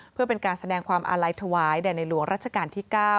เพื่อเป็นการแสดงความอาลัยถวายแด่ในหลวงรัชกาลที่๙